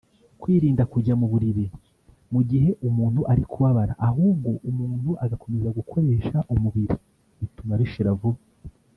Kwirinda kujya mu buriri mu gihe umuntu ari kubabara ahubwo umuntu agakomeza gukoresha umubiri bituma bishira vuba